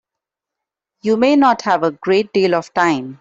You may not have a great deal of time.